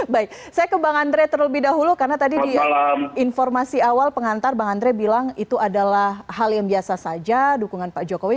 baik saya ke bang andre terlebih dahulu karena tadi di informasi awal pengantar bang andre bilang itu adalah hal yang biasa saja dukungan pak jokowi